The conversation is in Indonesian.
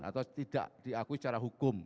atau tidak diakui secara hukum